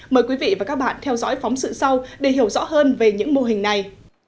mời quý vị và các bạn theo dõi phóng sự sau để hiểu rõ hơn về những mô hình này